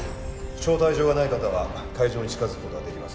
招待状がない方は会場に近づく事は出来ません。